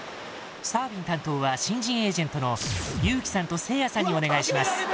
サーフィン担当は新人エージェントの裕貴さんとせいやさんにお願いします